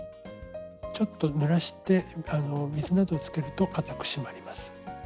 ちょっとぬらして水などつけるとかたく締まります。